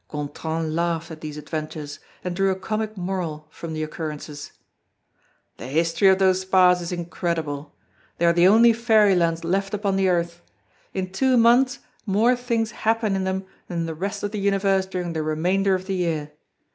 Gontran laughed at these adventures, and drew a comic moral from the occurrences: "The history of those spas is incredible. They are the only fairylands left upon the earth! In two months more things happen in them than in the rest of the universe during the remainder of the year.